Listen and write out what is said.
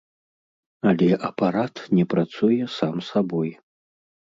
Але апарат не працуе сам сабой.